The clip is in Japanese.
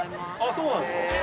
そうなんですか。